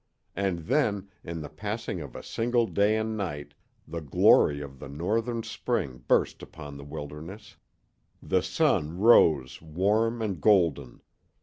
And then, in the passing of a single day and night, the glory of the northern spring burst upon the wilderness. The sun rose warm and golden.